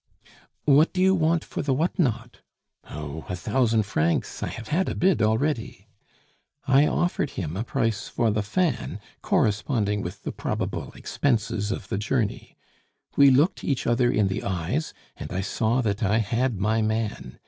'What do you want for the what not?' 'Oh! a thousand francs; I have had a bid already.' I offered him a price for the fan corresponding with the probable expenses of the journey. We looked each other in the eyes, and I saw that I had my man.